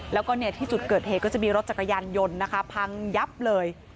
แล้วก็ที่จุดเกิดเหตุก็จะมีรถจักรยานยนต์นะคะพังยับเลย